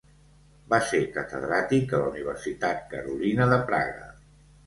Va ser catedràtic a la Universitat Carolina de Praga.